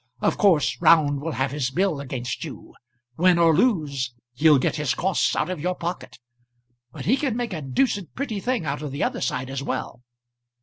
Of course Round will have his bill against you. Win or lose, he'll get his costs out of your pocket. But he can make a deuced pretty thing out of the other side as well.